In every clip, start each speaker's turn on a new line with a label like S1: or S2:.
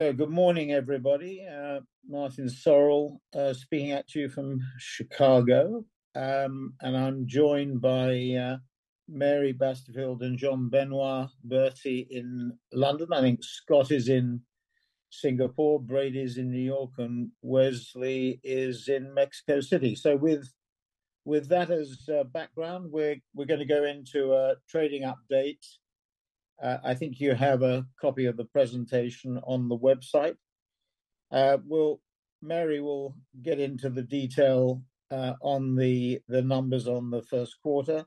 S1: Good morning, everybody. Martin Sorrell, speaking at you from Chicago, and I'm joined by Mary Basterfield and Jean-Benoit Berty in London. I think Scott is in Singapore, Brady's in New York, and Wesley is in Mexico City. So with that as background, we're going to go into trading update. I think you have a copy of the presentation on the website. Mary will get into the detail on the numbers on the first quarter.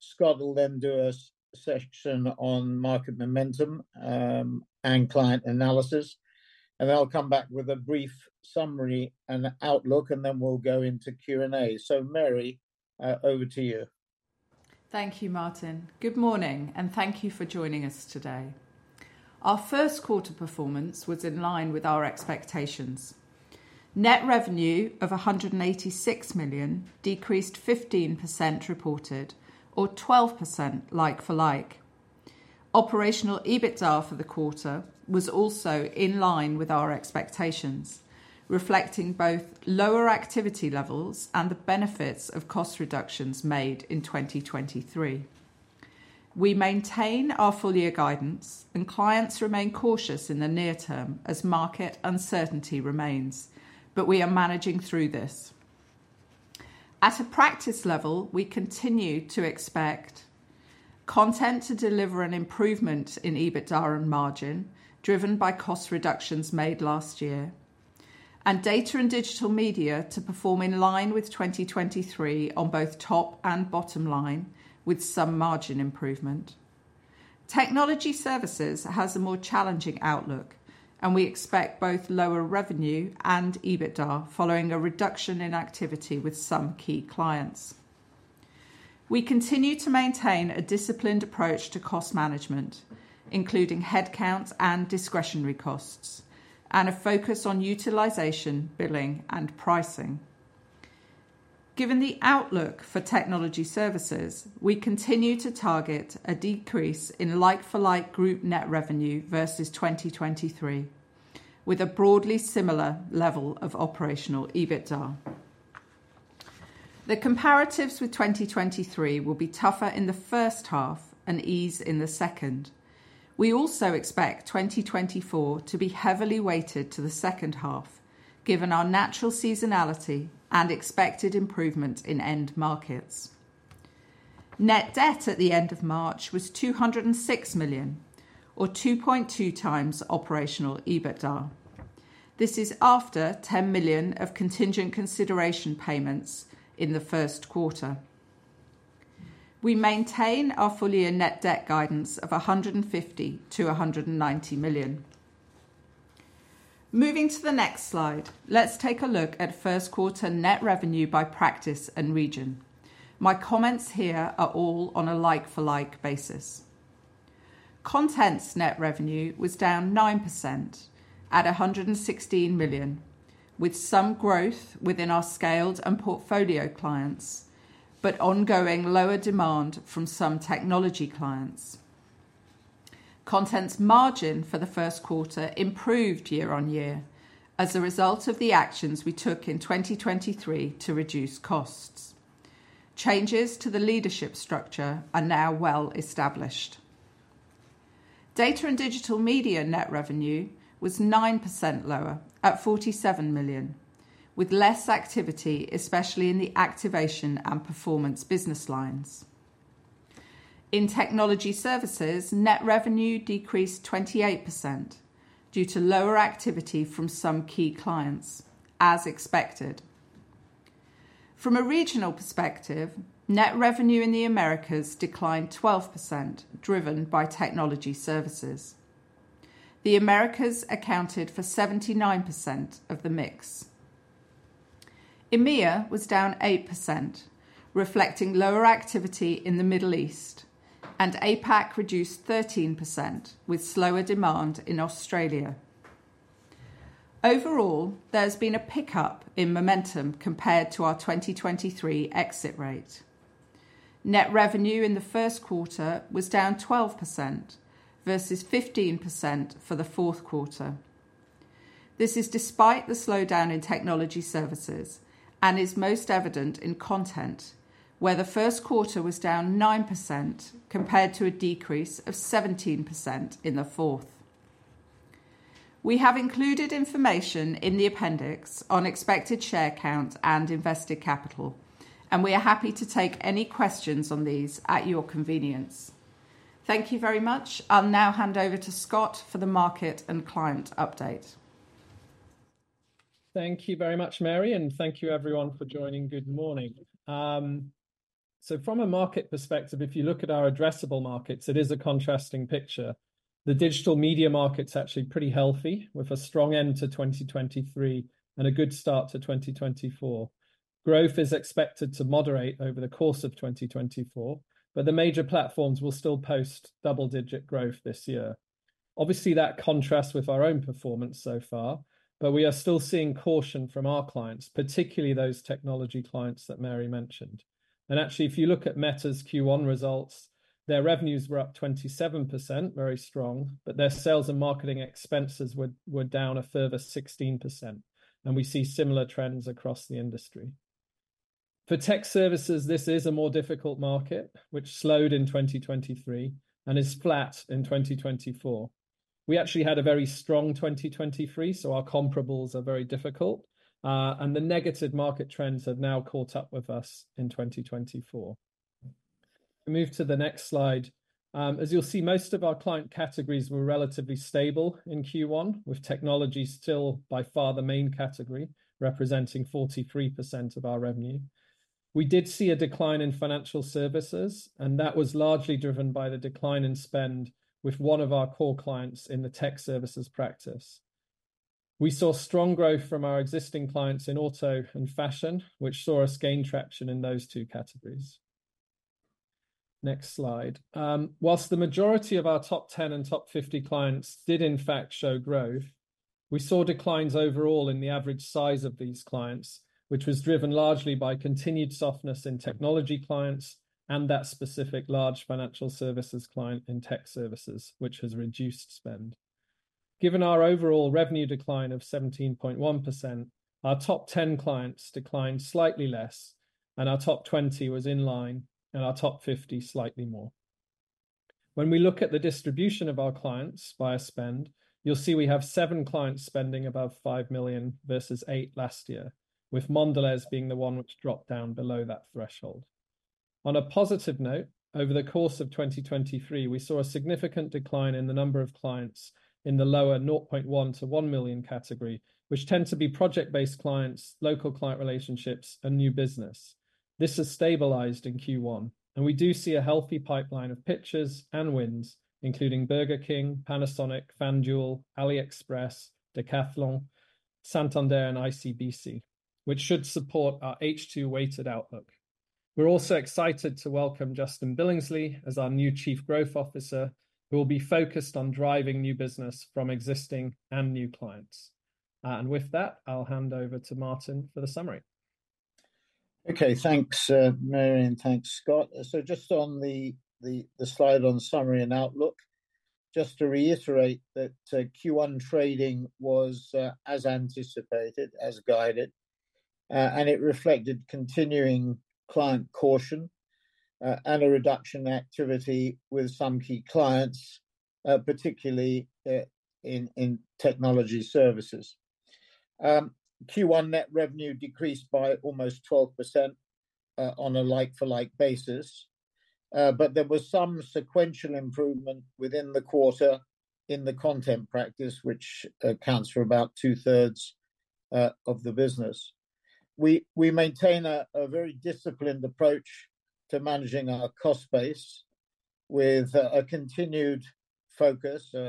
S1: Scott will then do a session on market momentum and client analysis, and they'll come back with a brief summary and outlook, and then we'll go into Q&A. So Mary, over to you.
S2: Thank you, Martin. Good morning, and thank you for joining us today. Our first quarter performance was in line with our expectations. Net revenue of 186 million decreased 15% reported, or 12% like for like. Operational EBITDA for the quarter was also in line with our expectations, reflecting both lower activity levels and the benefits of cost reductions made in 2023. We maintain our full-year guidance, and clients remain cautious in the near term as market uncertainty remains, but we are managing through this. At a practice level, we continue to expect: content to deliver an improvement in EBITDA and margin driven by cost reductions made last year, and data and digital media to perform in line with 2023 on both top and bottom line, with some margin improvement. Technology Services has a more challenging outlook, and we expect both lower revenue and EBITDA following a reduction in activity with some key clients. We continue to maintain a disciplined approach to cost management, including headcount and discretionary costs, and a focus on utilization, billing, and pricing. Given the outlook for Technology Services, we continue to target a decrease in like-for-like group net revenue versus 2023, with a broadly similar level of operational EBITDA. The comparatives with 2023 will be tougher in the first half and ease in the second. We also expect 2024 to be heavily weighted to the second half, given our natural seasonality and expected improvement in end markets. Net debt at the end of March was 206 million, or 2.2 times operational EBITDA. This is after 10 million of contingent consideration payments in the first quarter. We maintain our full-year net debt guidance of 150 million-190 million. Moving to the next slide, let's take a look at first quarter net revenue by practice and region. My comments here are all on a like-for-like basis. Content net revenue was down 9% at 116 million, with some growth within our scaled and portfolio clients, but ongoing lower demand from some technology clients. Content margin for the first quarter improved year on year as a result of the actions we took in 2023 to reduce costs. Changes to the leadership structure are now well established. Data and Digital Media net revenue was 9% lower at 47 million, with less activity, especially in the activation and performance business lines. In Technology Services, net revenue decreased 28% due to lower activity from some key clients, as expected. From a regional perspective, Net revenue in the Americas declined 12%, driven by Technology Services. The Americas accounted for 79% of the mix. EMEA was down 8%, reflecting lower activity in the Middle East, and APAC reduced 13% with slower demand in Australia. Overall, there's been a pickup in momentum compared to our 2023 exit rate. Net revenue in the first quarter was down 12% versus 15% for the fourth quarter. This is despite the slowdown in Technology Services and is most evident in Content, where the first quarter was down 9% compared to a decrease of 17% in the fourth. We have included information in the appendix on expected share count and invested capital, and we are happy to take any questions on these at your convenience. Thank you very much. I'll now hand over to Scott for the market and client update.
S3: Thank you very much, Mary, and thank you everyone for joining. Good morning. So from a market perspective, if you look at our addressable markets, it is a contrasting picture. The digital media market's actually pretty healthy, with a strong end to 2023 and a good start to 2024. Growth is expected to moderate over the course of 2024, but the major platforms will still post double-digit growth this year. Obviously, that contrasts with our own performance so far, but we are still seeing caution from our clients, particularly those technology clients that Mary mentioned. And actually, if you look at Meta's Q1 results, their revenues were up 27%, very strong, but their sales and marketing expenses were down a further 16%, and we see similar trends across the industry. For tech services, this is a more difficult market, which slowed in 2023 and is flat in 2024. We actually had a very strong 2023, so our comparables are very difficult, and the negative market trends have now caught up with us in 2024. Move to the next slide. As you'll see, most of our client categories were relatively stable in Q1, with technology still by far the main category, representing 43% of our revenue. We did see a decline in financial services, and that was largely driven by the decline in spend with one of our core clients in the tech services practice. We saw strong growth from our existing clients in auto and fashion, which saw us gain traction in those two categories. Next slide. While the majority of our top 10 and top 50 clients did, in fact, show growth, we saw declines overall in the average size of these clients, which was driven largely by continued softness in technology clients and that specific large financial services client in tech services, which has reduced spend. Given our overall revenue decline of 17.1%, our top 10 clients declined slightly less, and our top 20 was in line, and our top 50 slightly more. When we look at the distribution of our clients via spend, you'll see we have seven clients spending above $5 million versus eight last year, with Mondelēz being the one which dropped down below that threshold. On a positive note, over the course of 2023, we saw a significant decline in the number of clients in the lower 0.1 million-1 million category, which tend to be project-based clients, local client relationships, and new business. This has stabilized in Q1, and we do see a healthy pipeline of pitches and wins, including Burger King, Panasonic, FanDuel, AliExpress, Decathlon, Santander, and ICBC, which should support our H2 weighted outlook. We're also excited to welcome Justin Billingsley as our new Chief Growth Officer, who will be focused on driving new business from existing and new clients. And with that, I'll hand over to Martin for the summary.
S1: Okay, thanks, Mary, and thanks, Scott. So just on the slide on summary and outlook, just to reiterate that, Q1 trading was, as anticipated, as guided. It reflected continuing client caution, and a reduction in activity with some key clients, particularly in Technology Services. Q1 net revenue decreased by almost 12%, on a like-for-like basis. There was some sequential improvement within the quarter in the Content practice, which accounts for about two-thirds of the business. We maintain a very disciplined approach to managing our cost base, with continued,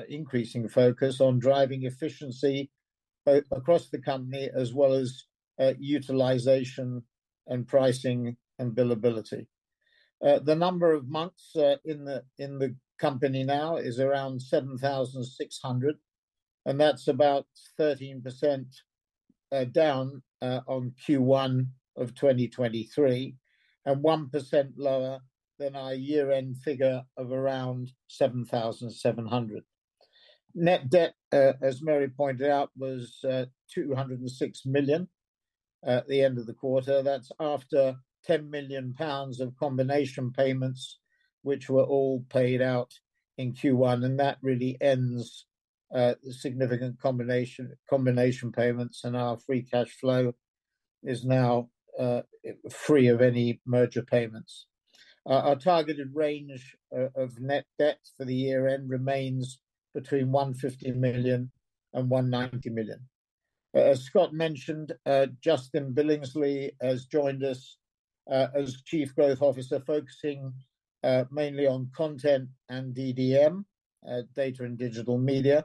S1: increasing focus on driving efficiency across the company as well as utilization and pricing and billability. The number of months in the company now is around 7,600, and that's about 13% down on Q1 of 2023, and 1% lower than our year-end figure of around 7,700. Net debt, as Mary pointed out, was £206 million at the end of the quarter. That's after £10 million of combination payments, which were all paid out in Q1, and that really ends the significant combination payments, and our free cash flow is now free of any merger payments. Our targeted range of net debt for the year-end remains between £150 million and £190 million. As Scott mentioned, Justin Billingsley has joined us as Chief Growth Officer, focusing mainly on content and DDM, data and digital media.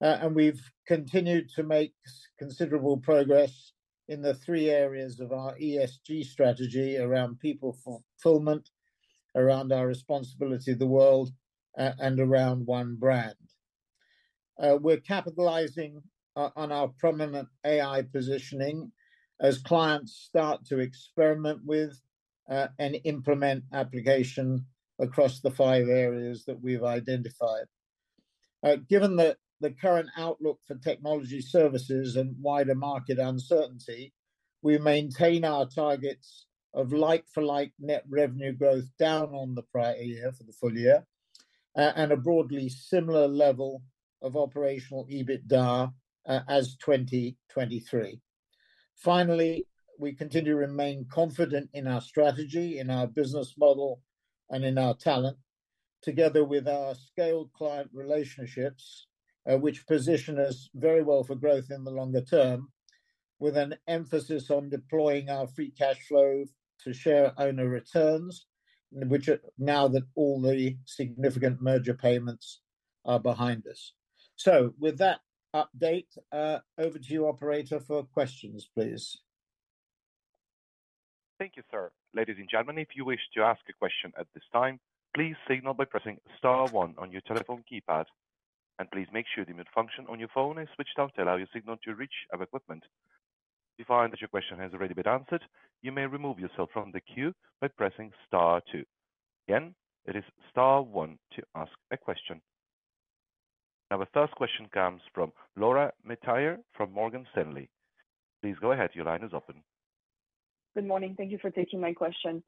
S1: And we've continued to make considerable progress in the three areas of our ESG strategy around people fulfillment, around our responsibility to the world, and around one brand. We're capitalizing on our prominent AI positioning as clients start to experiment with and implement application across the five areas that we've identified. Given the current outlook for technology services and wider market uncertainty, we maintain our targets of like-for-like net revenue growth down on the prior year for the full year, and a broadly similar level of operational EBITDA as 2023. Finally, we continue to remain confident in our strategy, in our business model, and in our talent, together with our scaled client relationships, which position us very well for growth in the longer term, with an emphasis on deploying our free cash flow to share-owner returns, which are now that all the significant merger payments are behind us. So with that update, over to you, operator, for questions, please.
S4: Thank you, Sir. Ladies and gentlemen, if you wish to ask a question at this time, please signal by pressing star one on your telephone keypad. Please make sure the mute function on your phone is switched down to allow your signal to reach our equipment. If you find that your question has already been answered, you may remove yourself from the queue by pressing star two. Again, it is star one to ask a question. Now, the first question comes from Laura Metayer from Morgan Stanley. Please go ahead. Your line is open.
S5: Good morning. Thank you for taking my question.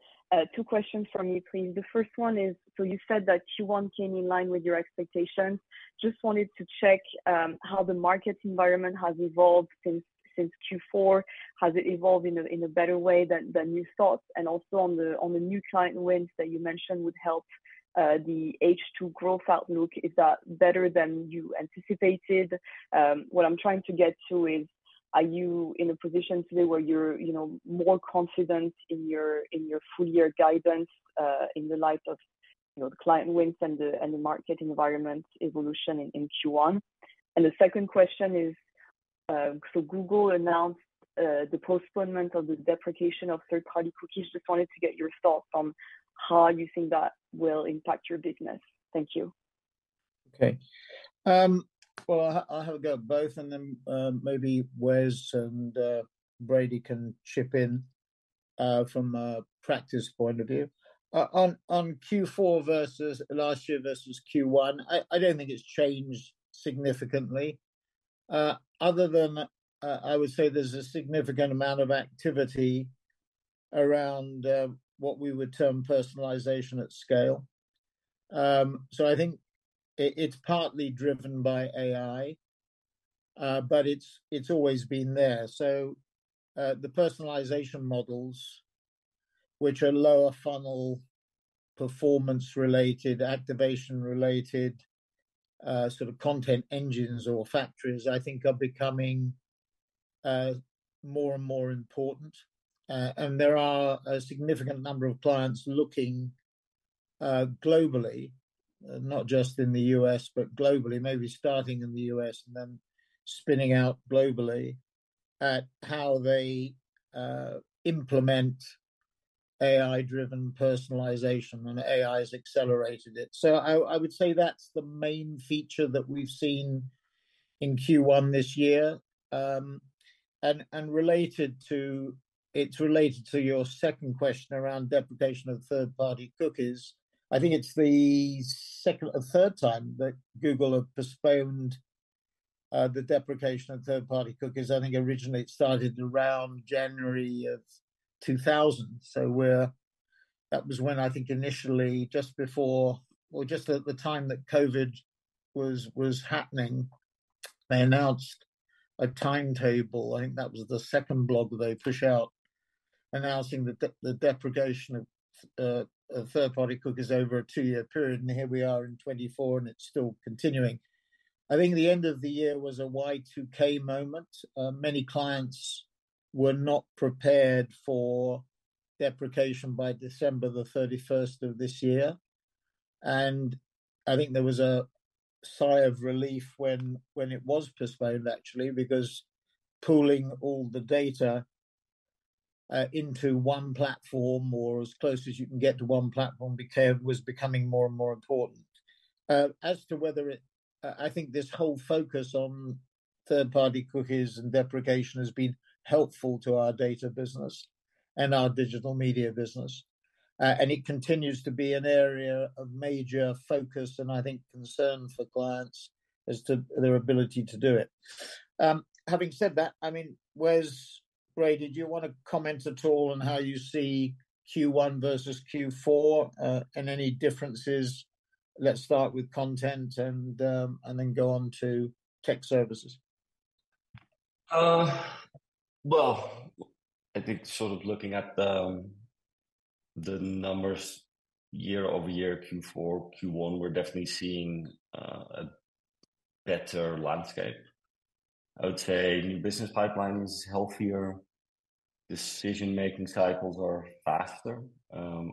S5: Two questions from me, please. The first one is, so you said that Q1 came in line with your expectations. Just wanted to check, how the market environment has evolved since, since Q4. Has it evolved in a, in a better way than, than you thought? And also on the, on the new client wins that you mentioned would help, the H2 growth outlook. Is that better than you anticipated? What I'm trying to get to is, are you in a position today where you're, you know, more confident in your, in your full-year guidance, in the light of, you know, the client wins and the, and the market environment evolution in, in Q1? And the second question is, so Google announced, the postponement of the deprecation of third-party cookies. Just wanted to get your thoughts on how you think that will impact your business. Thank you.
S1: Okay. Well, I'll, I'll have a go at both and then, maybe Wes and, Brady can chip in, from a practice point of view. On, on Q4 versus last year versus Q1, I, I don't think it's changed significantly. Other than, I would say there's a significant amount of activity around, what we would term personalization at scale. So I think it, it's partly driven by AI, but it's, it's always been there. So, the personalization models, which are lower funnel performance-related, activation-related, sort of content engines or factories, I think are becoming, more and more important. And there are a significant number of clients looking, globally, not just in the US, but globally, maybe starting in the US and then spinning out globally at how they, implement AI-driven personalization and AI has accelerated it. So I would say that's the main feature that we've seen in Q1 this year. And related to, it's related to your second question around deprecation of third-party cookies. I think it's the second or third time that Google have postponed the deprecation of third-party cookies. I think originally it started around January of 2000. So that was when I think initially just before, well, just at the time that COVID was happening, they announced a timetable. I think that was the second blog they pushed out, announcing the deprecation of third-party cookies over a two-year period. And here we are in 2024, and it's still continuing. I think the end of the year was a Y2K moment. Many clients were not prepared for deprecation by December the 31st of this year. I think there was a sigh of relief when it was postponed, actually, because pooling all the data into one platform or as close as you can get to one platform was becoming more and more important. As to whether it, I think this whole focus on third-party cookies and deprecation has been helpful to our data business and our digital media business. And it continues to be an area of major focus and I think concern for clients as to their ability to do it. Having said that, I mean, Wes, Brady, do you want to comment at all on how you see Q1 versus Q4, and any differences? Let's start with content and then go on to tech services.
S6: Well, I think sort of looking at the numbers year-over-year, Q4, Q1, we're definitely seeing a better landscape. I would say new business pipeline is healthier. Decision-making cycles are faster.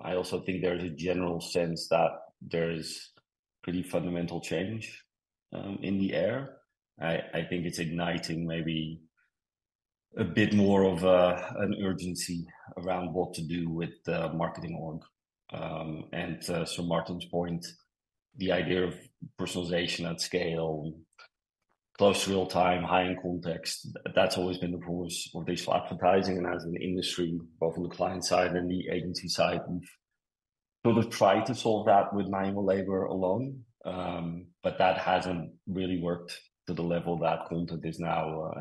S6: I also think there's a general sense that there's pretty fundamental change in the air. I think it's igniting maybe a bit more of an urgency around what to do with the marketing org., and so Martin's point, the idea of personalization at scale, close to real-time, high in context, that's always been the force of digital advertising. And as an industry, both on the client side and the agency side, we've sort of tried to solve that with manual labor alone. But that hasn't really worked to the level that content is now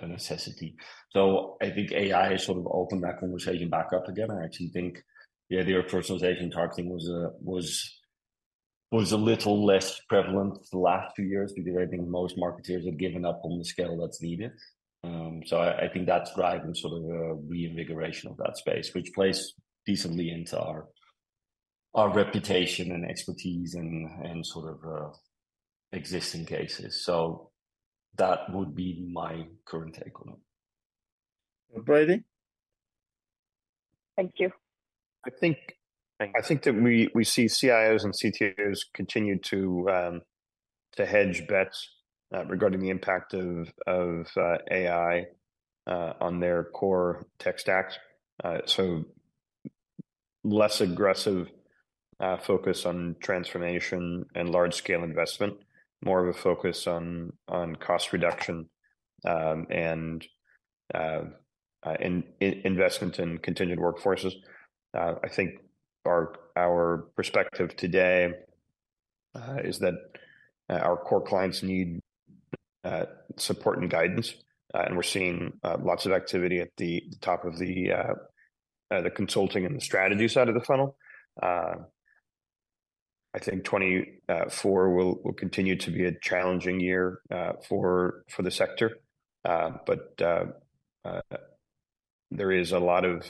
S6: a necessity. So I think AI has sort of opened that conversation back up again. I actually think the idea of personalization targeting was a little less prevalent the last few years because I think most marketers have given up on the scale that's needed. So I think that's driving sort of a reinvigoration of that space, which plays decently into our reputation and expertise and sort of existing cases. So that would be my current take on it.
S1: Brady?
S5: Thank you.
S1: I think that we see CIOs and CTOs continue to hedge bets regarding the impact of AI on their core tech stacks. So less aggressive focus on transformation and large-scale investment, more of a focus on cost reduction and investment in continued workforces. I think our perspective today is that our core clients need support and guidance. And we're seeing lots of activity at the top of the consulting and the strategy side of the funnel. I think 2024 will continue to be a challenging year for the sector. But there is a lot of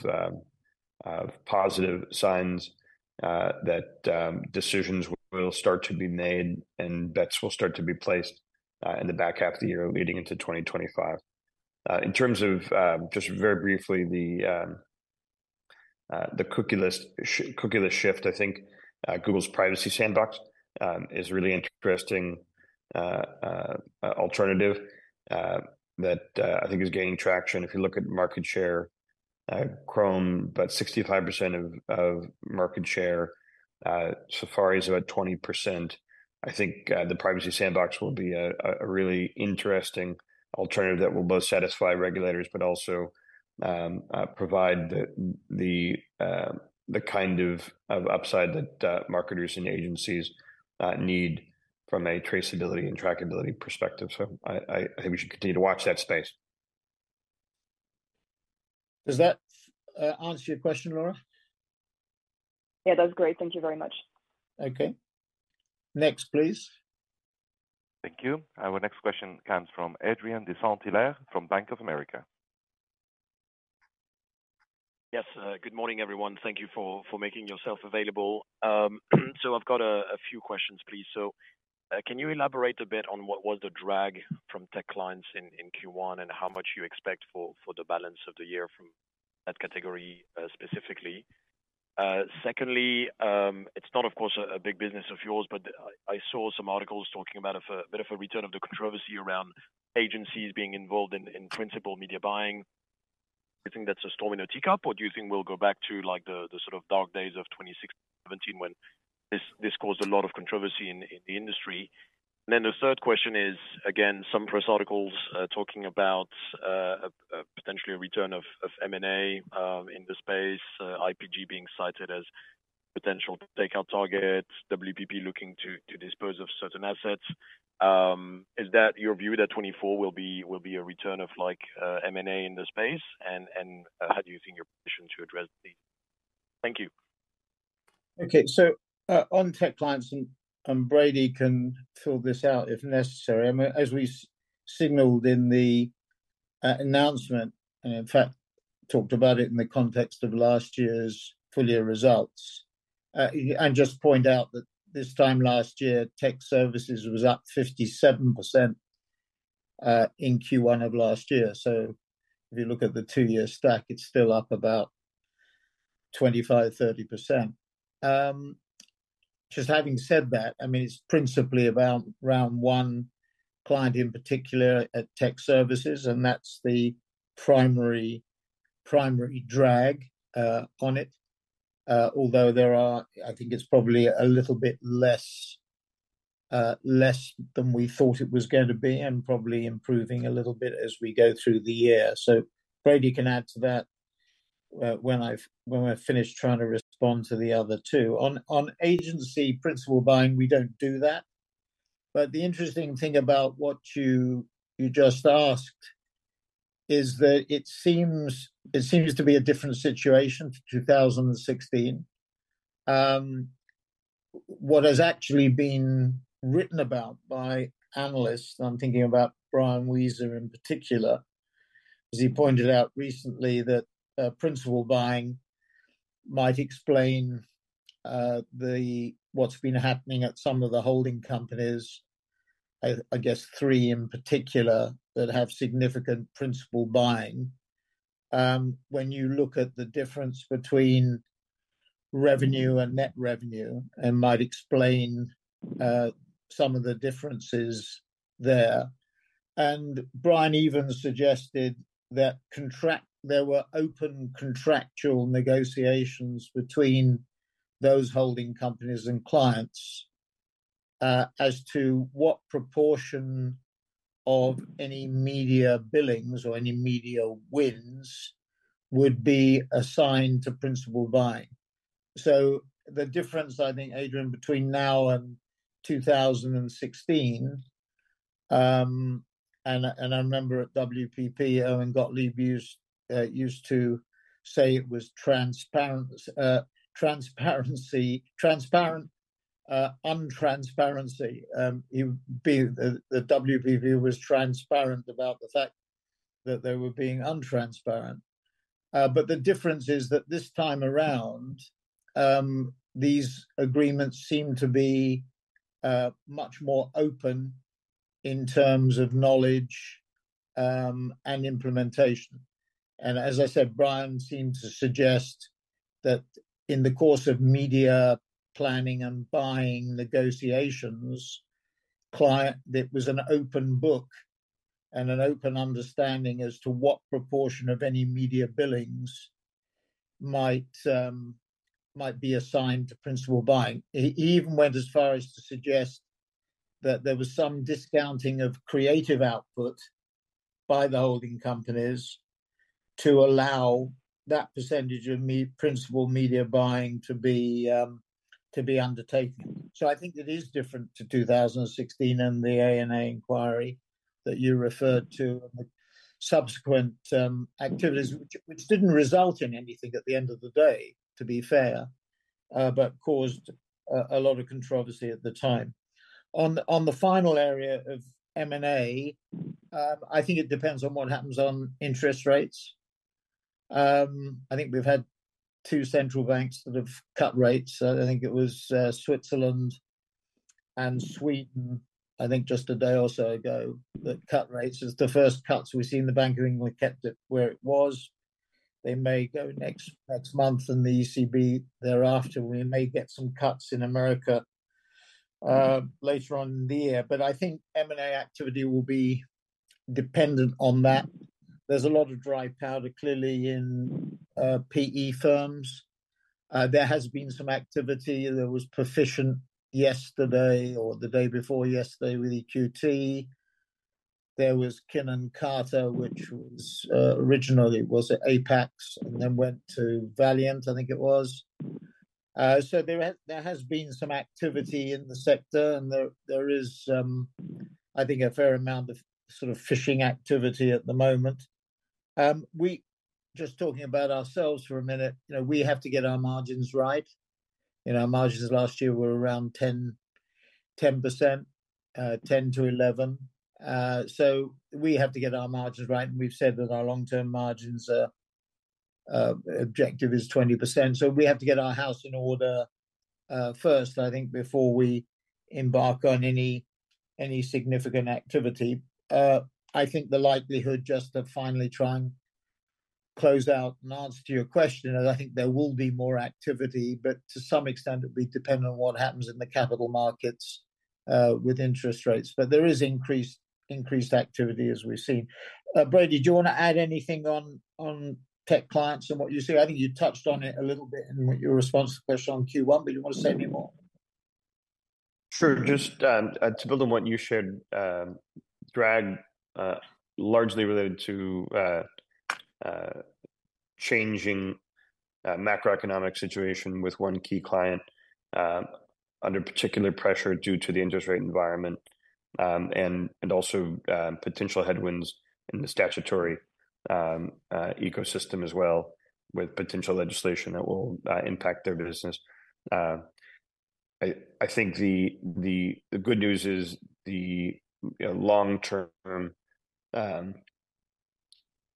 S1: positive signs that decisions will start to be made and bets will start to be placed in the back half of the year leading into 2025. In terms of, just very briefly, the cookie-less shift, I think Google's Privacy Sandbox is a really interesting alternative that I think is gaining traction. If you look at market share, Chrome about 65% of market share. Safari is about 20%. I think the Privacy Sandbox will be a really interesting alternative that will both satisfy regulators but also provide the kind of upside that marketers and agencies need from a traceability and trackability perspective. So I think we should continue to watch that space. Does that answer your question, Laura?
S5: Yeah, that's great. Thank you very much.
S1: Okay. Next, please.
S4: Thank you. Our next question comes from Adrien de Saint Hilaire from Bank of America.
S7: Yes. Good morning, everyone. Thank you for, for making yourself available. So, I've got a, a few questions, please. So, can you elaborate a bit on what was the drag from tech clients in, in Q1 and how much you expect for, for the balance of the year from that category, specifically? Secondly, it's not, of course, a, a big business of yours, but I, I saw some articles talking about a bit of a return of the controversy around agencies being involved in, in principal media buying. Do you think that's a storm in a teacup, or do you think we'll go back to, like, the, the sort of dark days of 2017 when this, this caused a lot of controversy in, in the industry?
S4: And then the third question is, again, some press articles talking about a potential return of M&A in the space, IPG being cited as potential takeout target, WPP looking to dispose of certain assets. Is that your view that 2024 will be a return of, like, M&A in the space? And how do you think your position to address these? Thank you.
S1: Okay. So, on tech clients, and Brady can fill this out if necessary. I mean, as we signaled in the announcement, and in fact, talked about it in the context of last year's full-year results, and just point out that this time last year, tech services was up 57% in Q1 of last year. So if you look at the two-year stack, it's still up about 25%-30%. Just having said that, I mean, it's principally about round one client in particular at tech services, and that's the primary, primary drag on it. Although there are, I think it's probably a little bit less than we thought it was going to be and probably improving a little bit as we go through the year. So Brady can add to that when I've, when we're finished trying to respond to the other two. On agency principal buying, we don't do that. But the interesting thing about what you just asked is that it seems to be a different situation to 2016. What has actually been written about by analysts, and I'm thinking about Brian Wieser in particular, as he pointed out recently that principal buying might explain what's been happening at some of the holding companies, I guess three in particular that have significant principal buying. When you look at the difference between revenue and net revenue and might explain some of the differences there. And Brian even suggested that there were open contractual negotiations between those holding companies and clients, as to what proportion of any media billings or any media wins would be assigned to principal buying. So the difference, I think, Adrien, between now and 2016, and I remember at WPP, Owen Gottlieb used to say it was transparency, transparent untransparency. He would say the WPP was transparent about the fact that they were being untransparent. But the difference is that this time around, these agreements seem to be much more open in terms of knowledge and implementation. And as I said, Brian seemed to suggest that in the course of media planning and buying negotiations, the client that was an open book and an open understanding as to what proportion of any media billings might be assigned to principal buying. He even went as far as to suggest that there was some discounting of creative output by the holding companies to allow that percentage of the principal media buying to be undertaken. So I think it is different to 2016 and the A&A inquiry that you referred to and the subsequent activities, which didn't result in anything at the end of the day, to be fair, but caused a lot of controversy at the time. On the final area of M&A, I think it depends on what happens on interest rates. I think we've had two central banks that have cut rates. I think it was Switzerland and Sweden, I think just a day or so ago, that cut rates. It's the first cuts we've seen in the Bank of England. We kept it where it was. They may go next month in the ECB thereafter. We may get some cuts in America later on in the year. But I think M&A activity will be dependent on that. There's a lot of dry powder, clearly, in PE firms. There has been some activity. There was Perficient yesterday or the day before yesterday with EQT. There was Kin + Carta, which was, originally was at APAX and then went to Valiant, I think it was. So there has been some activity in the sector and there, there is, I think a fair amount of sort of fishing activity at the moment. We just talking about ourselves for a minute, you know, we have to get our margins right. You know, our margins last year were around 10, 10%, 10%-11%. So we have to get our margins right. And we've said that our long-term margins objective is 20%. So we have to get our house in order, first, I think, before we embark on any, any significant activity. I think the likelihood just of finally trying to close out and answer to your question is I think there will be more activity, but to some extent it'll be dependent on what happens in the capital markets, with interest rates. But there is increased activity as we've seen. Brady, do you want to add anything on tech clients and what you see? I think you touched on it a little bit in what your response to the question on Q1, but do you want to say any more? Sure. Just to build on what you shared, largely related to changing macroeconomic situation with one key client, under particular pressure due to the interest rate environment, and also potential headwinds in the adtech ecosystem as well with potential legislation that will impact their business. I think the good news is, you know, the long-term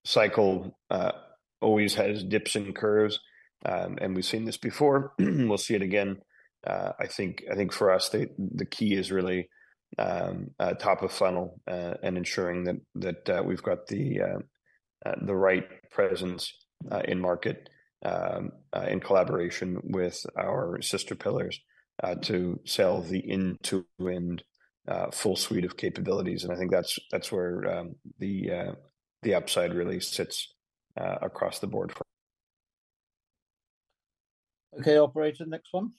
S1: cycle always has dips and curves. And we've seen this before. We'll see it again. I think for us, the key is really top of funnel, and ensuring that we've got the right presence in market, in collaboration with our sister pillars, to sell the end-to-end full suite of capabilities. And I think that's where the upside really sits, across the board for. Okay. Operator. Next one.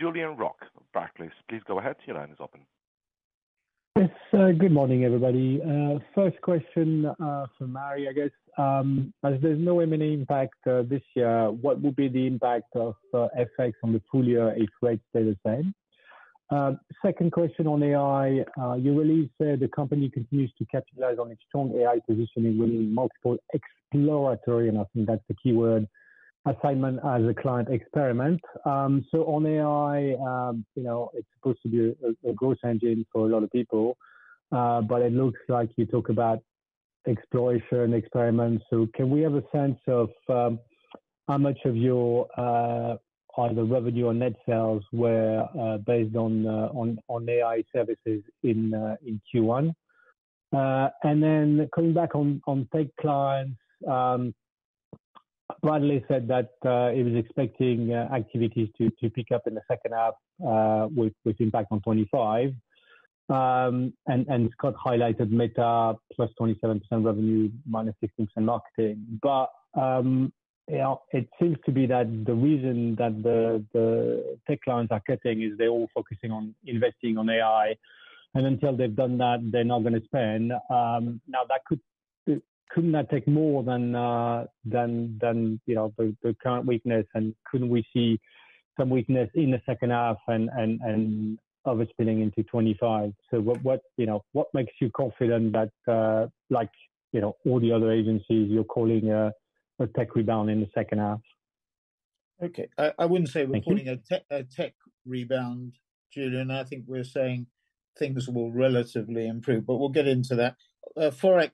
S4: Julien Roch of Barclays. Please go ahead. Your line is open.
S8: Yes. Good morning, everybody. First question, for Mary, I guess. As there's no M&A impact this year, what will be the impact of FX on the full-year exchange rate stays the same? Second question on AI. You recently said the company continues to capitalize on its strong AI positioning within multiple exploratory, and I think that's the keyword, assignments as client experiments. So on AI, you know, it's supposed to be a growth engine for a lot of people, but it looks like you talk about exploration experiments. So can we have a sense of how much of your either revenue or net sales were based on AI services in Q1? And then coming back on tech clients, Brady said that he was expecting activities to pick up in the second half, with impact on 2025.
S1: Scott highlighted Meta plus 27% revenue minus 15% marketing. But, you know, it seems to be that the reason that the tech clients are cutting is they're all focusing on investing on AI. And until they've done that, they're not going to spend. Now that could, couldn't that take more than you know, the current weakness? And couldn't we see some weakness in the second half and overspilling into 2025? So what you know, what makes you confident that, like, you know, all the other agencies, you're calling a tech rebound in the second half? Okay. I wouldn't say we're calling a tech rebound, Julian. I think we're saying things will relatively improve, but we'll get into that. Forex,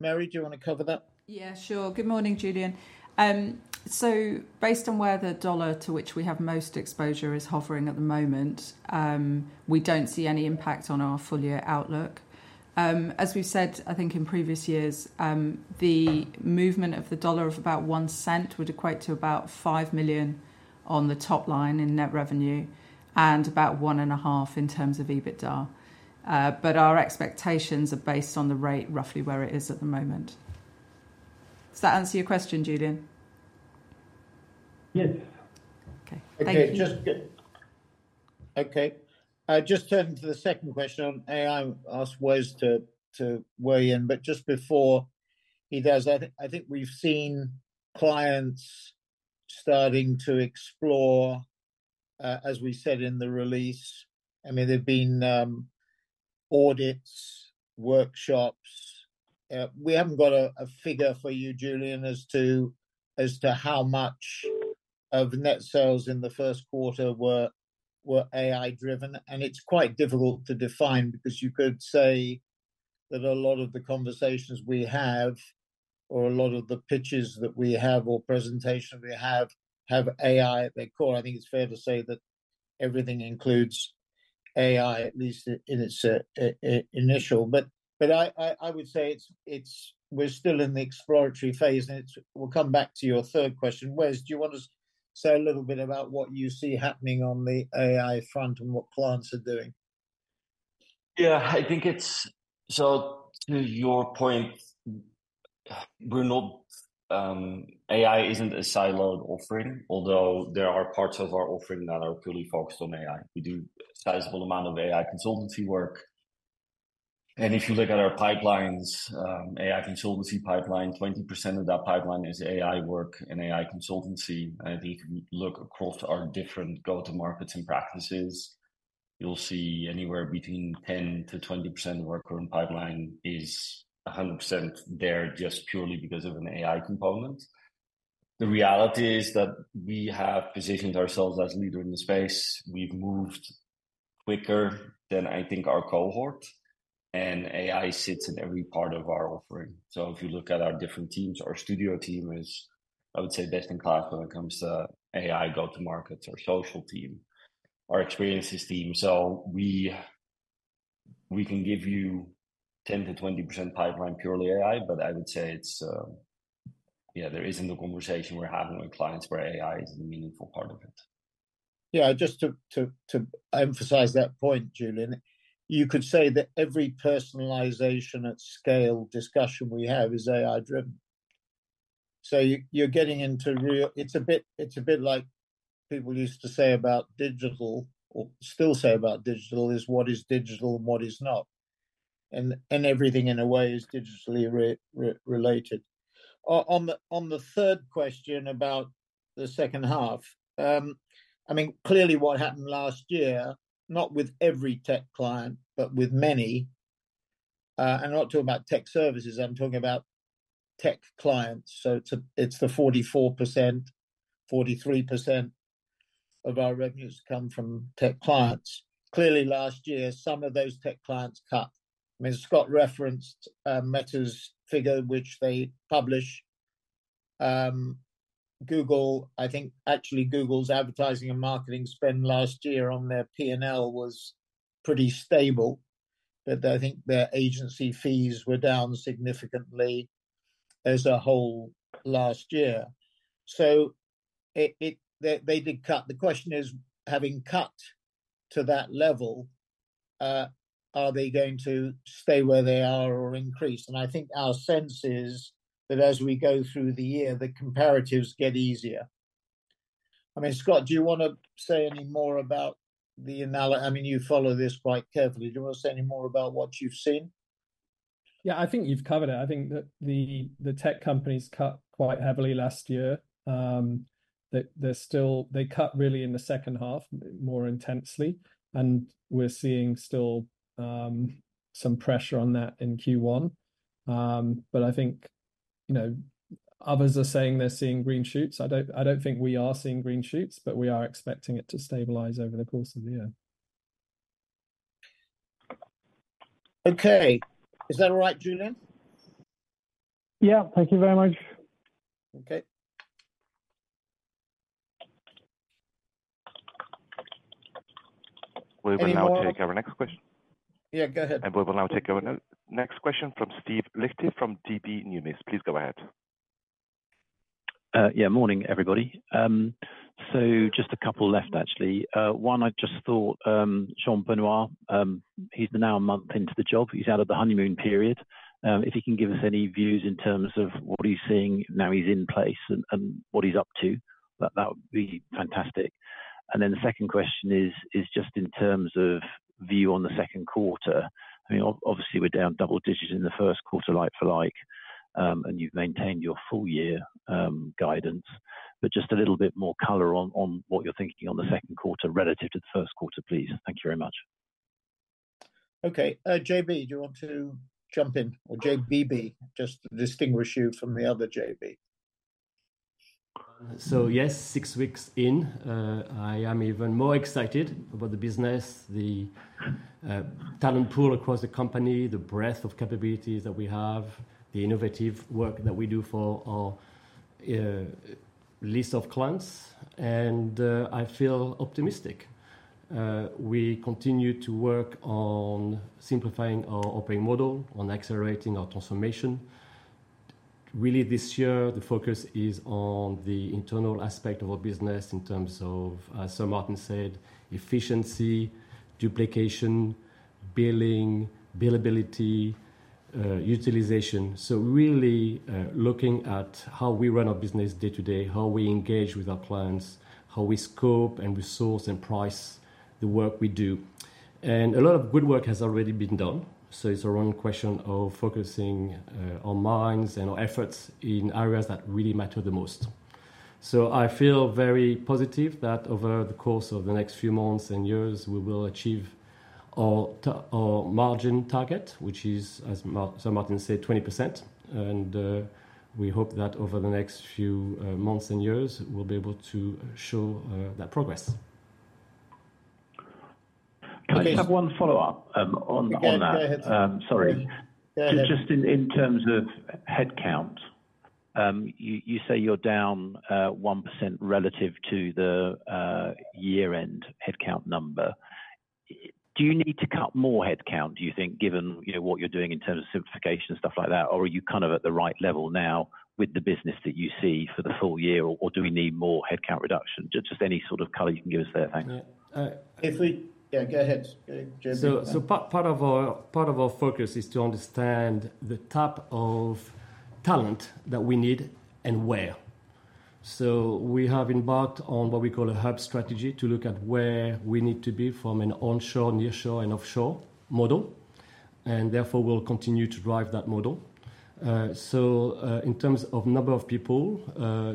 S1: Mary, do you want to cover that?
S2: Yeah, sure. Good morning, Julian. Based on where the dollar to which we have most exposure is hovering at the moment, we don't see any impact on our full-year outlook. As we've said, I think in previous years, the movement of the dollar of about 1 cent would equate to about 5 million on the top line in net revenue and about 1.5 million in terms of EBITDA. But our expectations are based on the rate roughly where it is at the moment. Does that answer your question, Julian?
S8: Yes.
S2: Okay. Thank you.
S8: Just turning to the second question on AI, I'm asked ways to weigh in, but just before he does, I think we've seen clients starting to explore, as we said in the release. I mean, there've been audits, workshops. We haven't got a figure for you, Julian, as to how much of net sales in the first quarter were AI-driven. And it's quite difficult to define because you could say that a lot of the conversations we have or a lot of the pitches that we have or presentations we have have AI at their core. I think it's fair to say that everything includes AI, at least in its initial. But I would say it's we're still in the exploratory phase. And we'll come back to your third question.
S1: Wes, do you want to say a little bit about what you see happening on the AI front and what clients are doing?
S6: Yeah, I think it's so to your point, we're not, AI isn't a siloed offering, although there are parts of our offering that are purely focused on AI. We do a sizable amount of AI consultancy work. And if you look at our pipelines, AI consultancy pipeline, 20% of that pipeline is AI work and AI consultancy. And if you look across our different go-to-markets and practices, you'll see anywhere between 10%-20% of our current pipeline is 100% there just purely because of an AI component. The reality is that we have positioned ourselves as leader in the space. We've moved quicker than I think our cohort. And AI sits in every part of our offering. So if you look at our different teams, our studio team is, I would say, best in class when it comes to AI go-to-markets, our social team, our experiences team. So we, we can give you 10%-20% pipeline purely AI, but I would say it's, yeah, there isn't a conversation we're having with clients where AI isn't a meaningful part of it.
S1: Yeah. Just to emphasize that point, Julian, you could say that every personalization at scale discussion we have is AI-driven. So you're getting into real it's a bit like people used to say about digital or still say about digital is what is digital and what is not. And everything in a way is digitally related. On the third question about the second half, I mean, clearly what happened last year, not with every tech client, but with many, and I'm not talking about tech services. I'm talking about tech clients. So it's the 44%-43% of our revenues come from tech clients. Clearly, last year, some of those tech clients cut. I mean, Scott referenced Meta's figure, which they publish. Google, I think actually Google's advertising and marketing spend last year on their P&L was pretty stable, but I think their agency fees were down significantly as a whole last year. So they did cut. The question is, having cut to that level, are they going to stay where they are or increase? And I think our sense is that as we go through the year, the comparatives get easier. I mean, Scott, do you want to say any more about the analysis? I mean, you follow this quite carefully. Do you want to say any more about what you've seen?
S3: Yeah, I think you've covered it. I think that the tech companies cut quite heavily last year, that they're still cut really in the second half more intensely. And we're seeing still some pressure on that in Q1. But I think, you know, others are saying they're seeing green shoots. I don't think we are seeing green shoots, but we are expecting it to stabilize over the course of the year.
S1: Okay. Is that all right, Julian?
S8: Yeah. Thank you very much.
S1: Okay.
S4: We will now take our next question.
S1: Yeah, go ahead.
S4: We will now take our next question from Steve Liechti from DB Numis. Please go ahead.
S9: Yeah. Morning, everybody. So just a couple left, actually. One, I just thought, Jean-Benoît, he's now a month into the job. He's out of the honeymoon period. If he can give us any views in terms of what he's seeing now he's in place and, and what he's up to, that, that would be fantastic. And then the second question is, is just in terms of view on the second quarter. I mean, obviously we're down double digits in the first quarter like-for-like, and you've maintained your full-year guidance. But just a little bit more color on, on what you're thinking on the second quarter relative to the first quarter, please. Thank you very much.
S1: Okay. J.B., do you want to jump in or J.B.B., just to distinguish you from the other J.B.?
S10: So yes, six weeks in. I am even more excited about the business, the talent pool across the company, the breadth of capabilities that we have, the innovative work that we do for our list of clients. I feel optimistic. We continue to work on simplifying our operating model, on accelerating our transformation. Really this year, the focus is on the internal aspect of our business in terms of, Sir Martin said, efficiency, duplication, billing, billability, utilization. So really, looking at how we run our business day to day, how we engage with our clients, how we scope and resource and price the work we do. A lot of good work has already been done. So it's a run question of focusing our minds and our efforts in areas that really matter the most. So I feel very positive that over the course of the next few months and years, we will achieve our margin target, which is, as Sir Martin said, 20%. And we hope that over the next few months and years, we'll be able to show that progress.
S9: Can I have one follow-up, on, on that?
S1: Yeah, go ahead.
S9: Sorry.
S1: Go ahead.
S9: Just in terms of headcount, you say you're down 1% relative to the year-end headcount number. Do you need to cut more headcount, do you think, given you know what you're doing in terms of simplification and stuff like that? Or are you kind of at the right level now with the business that you see for the full year? Or do we need more headcount reduction? Just any sort of color you can give us there. Thanks.
S1: Yeah. If we yeah, go ahead. J.B.
S10: So part of our focus is to understand the type of talent that we need and where. So we have embarked on what we call a hub strategy to look at where we need to be from an onshore, nearshore, and offshore model. And therefore, we'll continue to drive that model. So, in terms of number of people,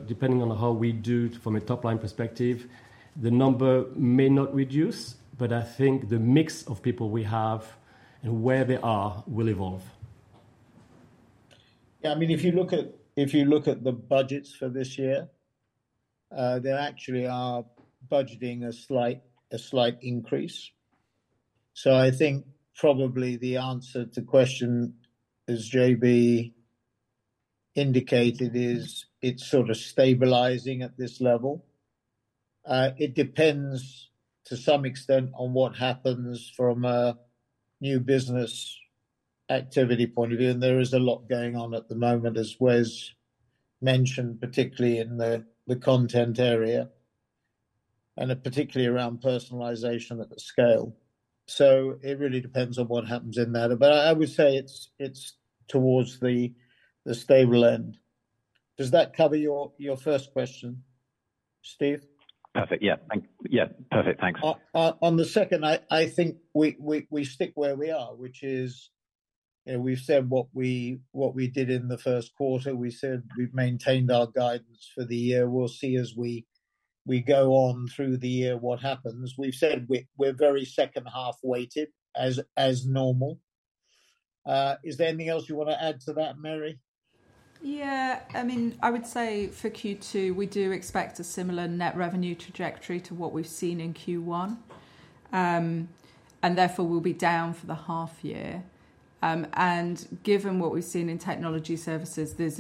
S10: depending on how we do it from a top-line perspective, the number may not reduce, but I think the mix of people we have and where they are will evolve.
S1: Yeah. I mean, if you look at the budgets for this year, there actually are budgeting a slight increase. So I think probably the answer to question, as JB indicated, is it's sort of stabilizing at this level. It depends to some extent on what happens from a new business activity point of view. And there is a lot going on at the moment, as Wes mentioned, particularly in the content area and particularly around personalization at scale. So it really depends on what happens in that. But I would say it's towards the stable end. Does that cover your first question, Steve?
S9: Perfect. Yeah. Thanks, yeah. Perfect. Thanks.
S1: On the second, I think we stick where we are, which is, you know, we've said what we did in the first quarter. We said we've maintained our guidance for the year. We'll see as we go on through the year what happens. We've said we're very second-half weighted as normal. Is there anything else you want to add to that, Mary?
S2: Yeah. I mean, I would say for Q2, we do expect a similar net revenue trajectory to what we've seen in Q1. And therefore, we'll be down for the half year. And given what we've seen in Technology Services, this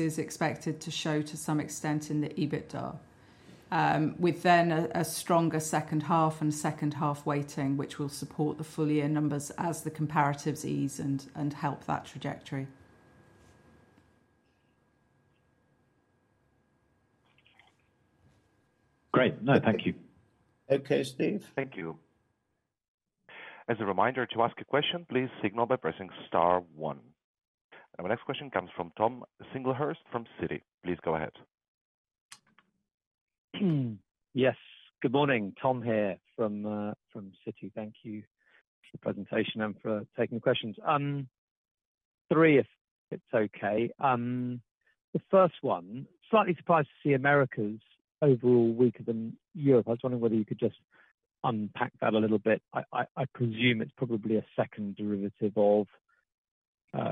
S2: is expected to show to some extent in the EBITDA, with then a stronger second-half and second-half weighting, which will support the full-year numbers as the comparatives ease and help that trajectory.
S9: Great. No, thank you.
S1: Okay, Steve.
S4: Thank you. As a reminder, to ask a question, please signal by pressing star one. Our next question comes from Tom Sherwood from Citi. Please go ahead.
S11: Yes. Good morning. Tom here from Citi. Thank you for the presentation and for taking the questions. Three, if it's okay. The first one, slightly surprised to see Americas' overall weaker than Europe. I was wondering whether you could just unpack that a little bit. I presume it's probably a second derivative of, sort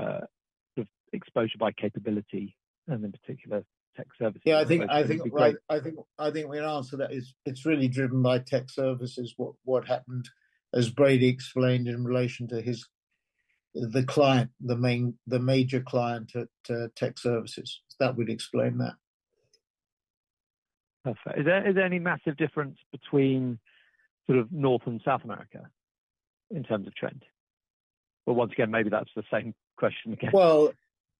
S11: of, exposure by capability and in particular, tech services.
S1: Yeah. I think right. I think we can answer that. It's really driven by tech services, what happened, as Brady explained in relation to his client, the main major client at tech services. That would explain that.
S11: Perfect. Is there any massive difference between sort of North and South America in terms of trend? But once again, maybe that's the same question again.
S1: Well,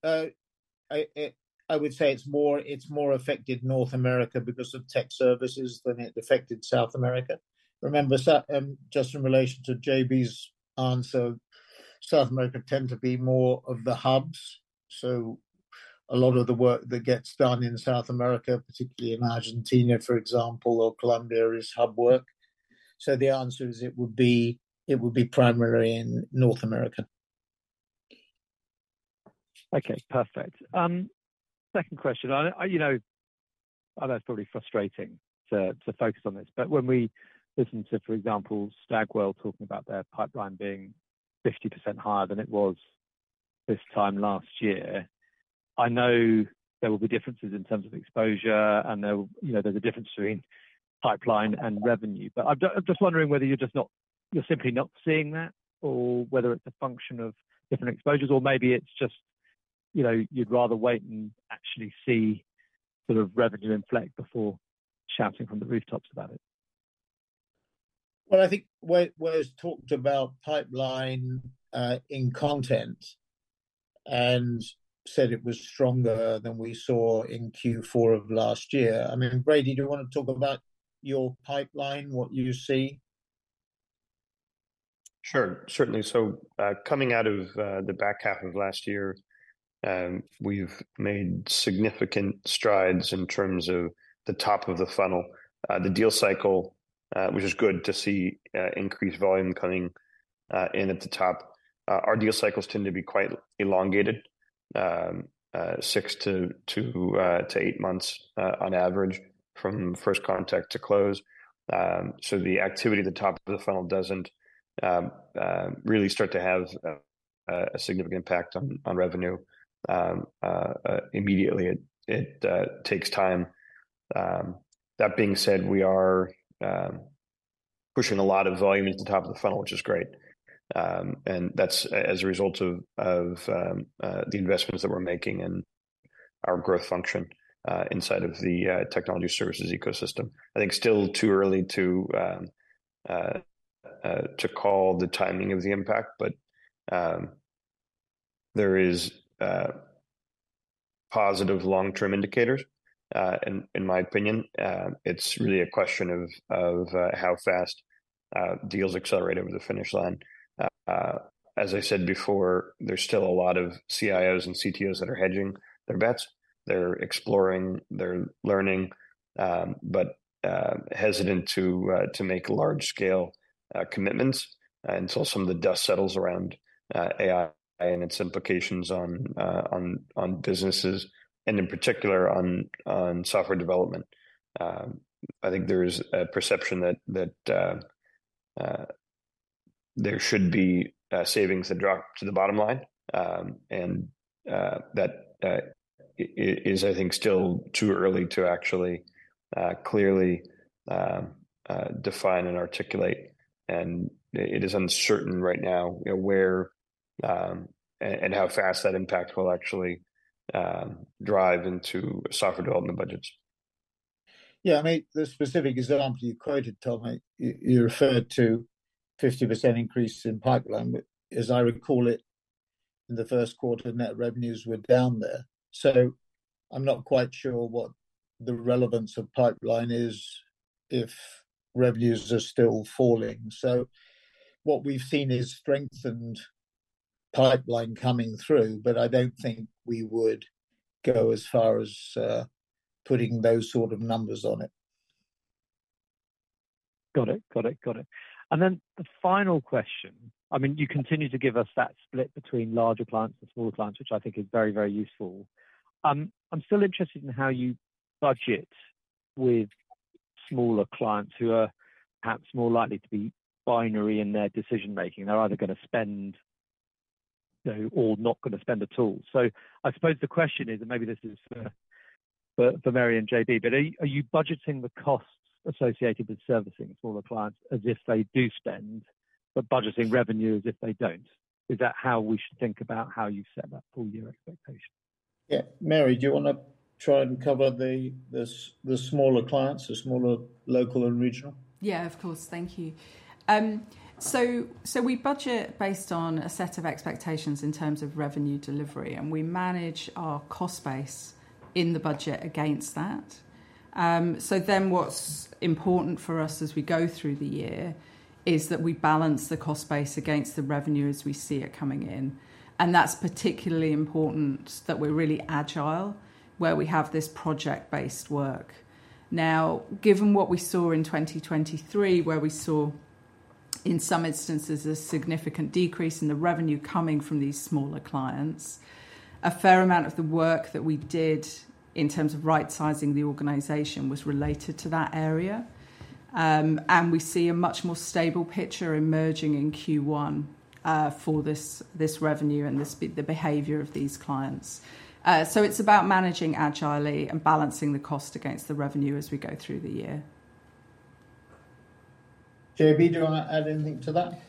S1: I would say it's more affected North America because of tech services than it affected South America. Remember, just in relation to JB's answer, South America tend to be more of the hubs. So a lot of the work that gets done in South America, particularly in Argentina, for example, or Colombia, is hub work. So the answer is it would be primarily in North America.
S11: Okay. Perfect. Second question. I, you know, I know it's probably frustrating to, to focus on this, but when we listen to, for example, Stagwell talking about their pipeline being 50% higher than it was this time last year, I know there will be differences in terms of exposure, and there will, you know, there's a difference between pipeline and revenue. But I'm just wondering whether you're just not, you're simply not seeing that or whether it's a function of different exposures, or maybe it's just, you know, you'd rather wait and actually see sort of revenue inflect before shouting from the rooftops about it.
S1: Well, I think Wes talked about pipeline, in content and said it was stronger than we saw in Q4 of last year. I mean, Brady, do you want to talk about your pipeline, what you see?
S12: Sure. Certainly. So, coming out of the back half of last year, we've made significant strides in terms of the top of the funnel. The deal cycle, which is good to see, increased volume coming in at the top. Our deal cycles tend to be quite elongated, 6-8 months, on average from first contact to close. So the activity at the top of the funnel doesn't really start to have a significant impact on revenue immediately. It takes time. That being said, we are pushing a lot of volume into the top of the funnel, which is great. And that's as a result of the investments that we're making and our growth function, inside of the technology services ecosystem. I think still too early to call the timing of the impact, but there is positive long-term indicators. In my opinion, it's really a question of how fast deals accelerate over the finish line. As I said before, there's still a lot of CIOs and CTOs that are hedging their bets. They're exploring. They're learning, but hesitant to make large-scale commitments until some of the dust settles around AI and its implications on businesses and in particular on software development. I think there is a perception that there should be savings that drop to the bottom line, and that it is, I think, still too early to actually clearly define and articulate. And it is uncertain right now, you know, where and how fast that impact will actually drive into software development budgets.
S1: Yeah. I mean, the specific example you quoted, Tom, you referred to 50% increase in pipeline. But as I recall it, in the first quarter, net revenues were down there. So I'm not quite sure what the relevance of pipeline is if revenues are still falling. So what we've seen is strengthened pipeline coming through, but I don't think we would go as far as, putting those sort of numbers on it.
S11: Got it. Got it. Got it. And then the final question I mean, you continue to give us that split between larger clients and smaller clients, which I think is very, very useful. I'm still interested in how you budget with smaller clients who are perhaps more likely to be binary in their decision-making. They're either going to spend, you know, or not going to spend at all. So I suppose the question is, and maybe this is for Mary and JB, but are you budgeting the costs associated with servicing smaller clients as if they do spend, but budgeting revenue as if they don't? Is that how we should think about how you set that full-year expectation?
S1: Yeah. Mary, do you want to try and cover the smaller clients, the smaller local and regional?
S2: Yeah, of course. Thank you. So, so we budget based on a set of expectations in terms of revenue delivery, and we manage our cost base in the budget against that. So then what's important for us as we go through the year is that we balance the cost base against the revenue as we see it coming in. And that's particularly important that we're really agile, where we have this project-based work. Now, given what we saw in 2023, where we saw in some instances a significant decrease in the revenue coming from these smaller clients, a fair amount of the work that we did in terms of right-sizing the organization was related to that area. And we see a much more stable picture emerging in Q1, for this, this revenue and this the behavior of these clients. It's about managing agilely and balancing the cost against the revenue as we go through the year.
S1: JB, do you want to add anything to that?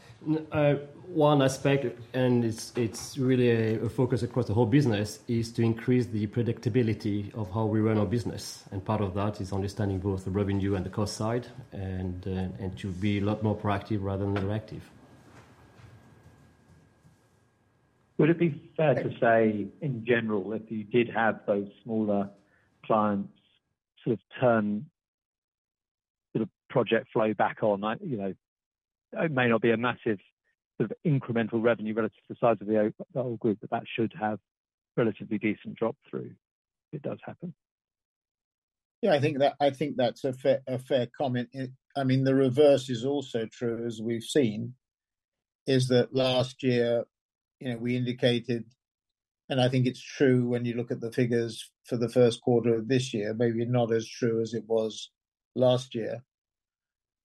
S10: One aspect and it's, it's really a focus across the whole business is to increase the predictability of how we run our business. Part of that is understanding both the revenue and the cost side and, and to be a lot more proactive rather than interactive.
S11: Would it be fair to say, in general, if you did have those smaller clients sort of turn sort of project flow back on, you know, it may not be a massive sort of incremental revenue relative to the size of the whole group, but that should have relatively decent drop-through if it does happen?
S1: Yeah. I think that I think that's a fair, a fair comment. I mean, the reverse is also true, as we've seen, is that last year, you know, we indicated and I think it's true when you look at the figures for the first quarter of this year, maybe not as true as it was last year.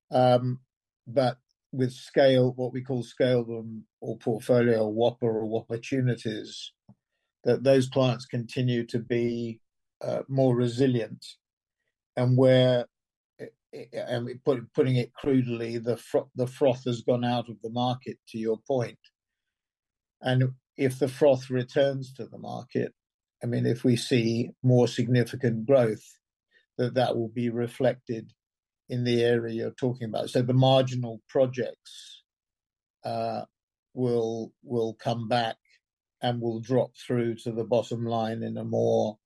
S1: But with scale, what we call scale or portfolio or Whopper or opportunities, that those clients continue to be more resilient and where and putting it crudely, the froth has gone out of the market, to your point. And if the froth returns to the market, I mean, if we see more significant growth, that that will be reflected in the area you're talking about. So the marginal projects will, will come back and will drop through to the bottom line in a more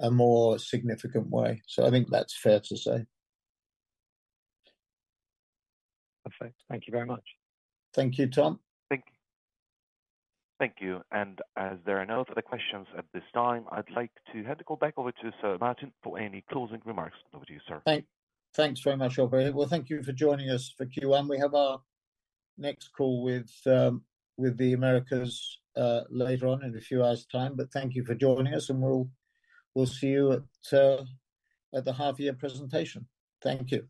S1: a more significant way.
S10: I think that's fair to say.
S11: Perfect. Thank you very much.
S1: Thank you, Tom.
S11: Thank you. Thank you. As there are no further questions at this time, I'd like to hand the call back over to Sir Martin for any closing remarks. Over to you, Sir.
S1: Thanks. Thanks very much, Aubury. Well, thank you for joining us for Q1. We have our next call with the Americas, later on in a few hours' time. But thank you for joining us, and we'll see you at the half-year presentation. Thank you.